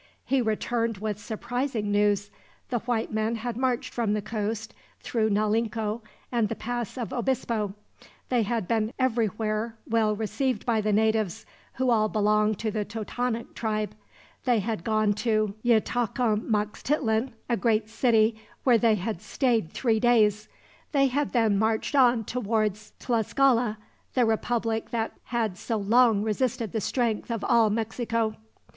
He returned with surprising news. The white men had marched from the coast through Naulinco and the Pass of Obispo. They had been everywhere well received by the natives, who all belonged to the Totonac tribe. They had gone to Yxtacamaxtitlan, a great city, where they had stayed three days. They had then marched on towards Tlascala, the republic that had so long resisted the strength of all Mexico.